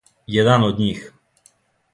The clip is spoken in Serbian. Један од њих!